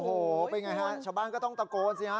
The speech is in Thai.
โอ้โหเป็นไงฮะชาวบ้านก็ต้องตะโกนสิฮะ